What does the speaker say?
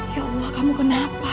ya allah kamu kenapa